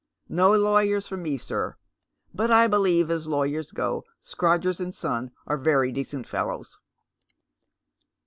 No lawyers for me, sir, but I believe as lawyers go, Scrodgers and Son are very decent fellows."